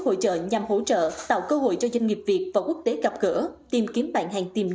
hội trợ nhằm hỗ trợ tạo cơ hội cho doanh nghiệp việt và quốc tế gặp gỡ tìm kiếm bạn hàng tiềm